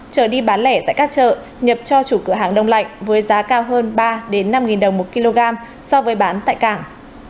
chở đi bán lẻ tại các chợ nhập cho chủ cửa hàng đông lạnh với giá cao hơn ba năm đồng một kg so với bán tại cảng